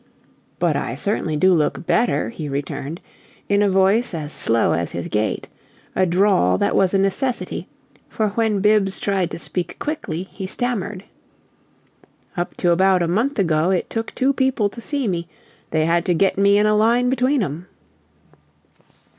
"But I certainly do look better," he returned, in a voice as slow as his gait; a drawl that was a necessity, for when Bibbs tried to speak quickly he stammered. "Up to about a month ago it took two people to see me. They had to get me in a line between 'em!"